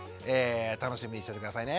楽しみにしておいて下さいね。